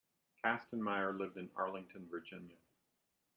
Kastenmeier lived in Arlington, Virginia.